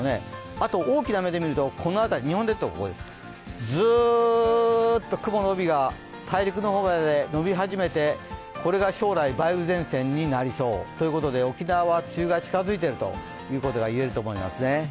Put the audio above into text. あと大きな目で見ると日本列島がここですずーっと雲の帯が大陸の方までのび始めて、これが将来、梅雨前線になりそうということでということで沖縄は梅雨が近付いているということがいえると思います。